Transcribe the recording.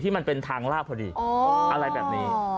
มันเป็นทางลากพอดีอะไรแบบนี้